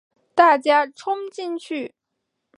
大家冲进去